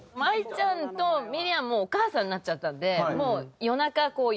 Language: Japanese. ＡＩちゃんとミリヤはもうお母さんになっちゃったんで。